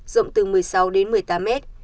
rộng từ một mươi sáu đến một mươi tám mét